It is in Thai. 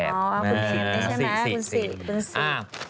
อ๋อคุณศิลป์ใช่ไหมคุณศิลป์